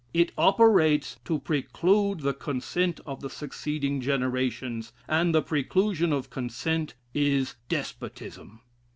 It operates to preclude the consent of the succeeding generations; and the preclusion of consent is despotism.